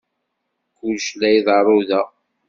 Kullec la iḍerru da.